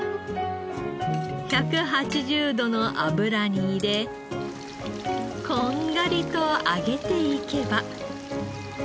１８０度の油に入れこんがりと揚げていけば。